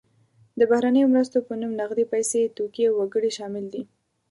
د بهرنیو مرستو په نوم نغدې پیسې، توکي او وګړي شامل دي.